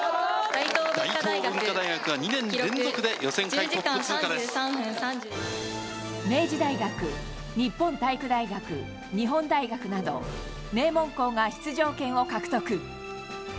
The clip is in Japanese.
大東文化大学は２年連続で予明治大学、日本体育大学、日本大学など、名門校が出場権を獲得。